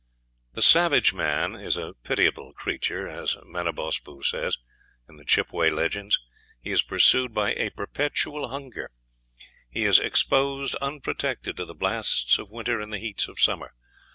The savage man is a pitiable creature; as Menabosbu says, in the Chippeway legends, he is pursued by a "perpetual hunger;" he is exposed unprotected to the blasts of winter and the heats of summer.